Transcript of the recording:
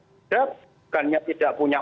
tidak bukannya tidak punya